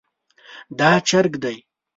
دا چرګ دی